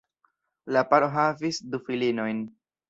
La paro havis du filinojn.